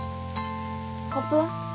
コップは？